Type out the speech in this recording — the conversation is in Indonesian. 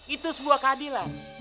itu sebuah keadilan